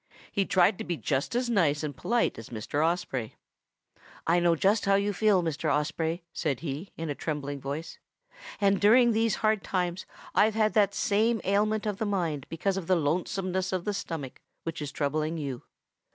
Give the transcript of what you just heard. He tried to be just as nice and polite as Mr. Osprey. 'I know just how you feel, Mr. Osprey,' said he, in a trembling voice, 'and during these hard times I've had that same ailment of the mind because of lonesomeness of the stomach, which is troubling you.